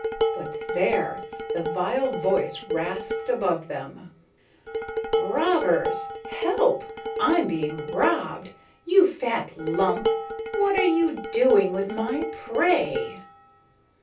But there! The vile voice rasped above them: "Robbers! Help! I'm being robbed. You fat lump, what are you doing with my prey?"